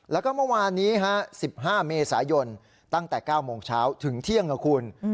แล้วก็เมื่อวานนี้๑๕เมษายนตั้งแต่๙โมงเช้าถึงเที่ยงนะคุณ